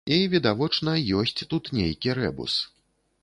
І, відавочна, ёсць тут нейкі рэбус.